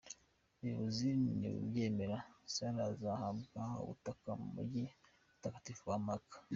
Ubuyobozi nibubyemera Salah azahabwa ubutaka mu mujyi mutagatifu wa Maka.